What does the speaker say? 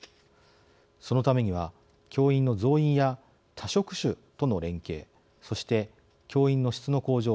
そのためには教員の増員や他職種との連携そして教員の質の向上。